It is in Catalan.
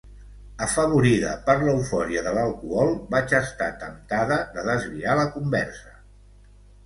Afavorida per l’eufòria de l’alcohol vaig estar temptada de desviar la conversa.